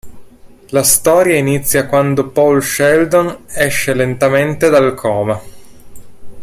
La storia inizia quando Paul Sheldon esce lentamente dal coma.